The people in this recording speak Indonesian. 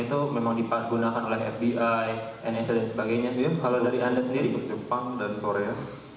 itu memang dipakai gunakan oleh fbi indonesia dan sebagainya kalau dari anda sendiri jepang dan korea